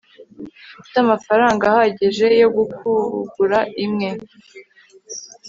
ufite amafaranga ahagije yo kugura imwe